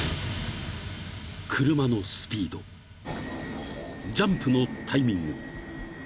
［車のスピードジャンプのタイミング］